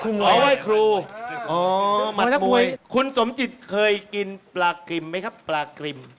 ไม่ใช่พระครับผม